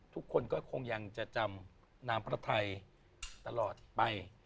ทุกคนก็คงยังจะจำนามพระไทยตลอดไป